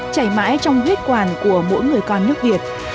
chảy mãi trong viết quản của mỗi người con nước việt